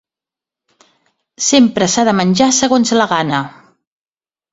Sempre s'ha de menjar segons la gana.